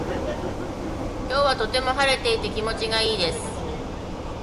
今日はとても晴れていて気持ちがいいです。